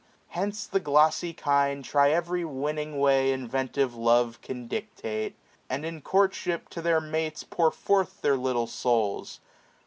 Hence the glossy kind Try every winning way inventive love 615 Can dictate ; and in courtship to their mates Pour forth their little souls.